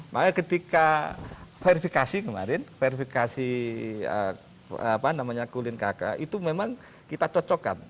maka ketika verifikasi kemarin verifikasi kulin kk itu memang kita cocokkan